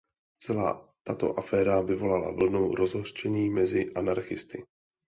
Celá tato aféra vyvolala vlnu rozhořčení mezi anarchisty.